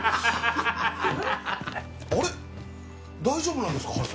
大丈夫なんですか？